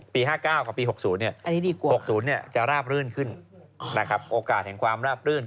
๕๙กับปี๖๐๖๐จะราบรื่นขึ้นนะครับโอกาสแห่งความราบรื่น